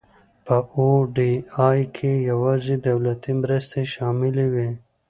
په او ډي آی کې یوازې دولتي مرستې شاملې وي.